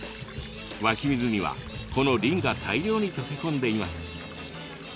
湧き水にはこのリンが大量に溶け込んでいます。